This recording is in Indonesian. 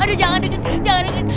aduh jangan denger jangan denger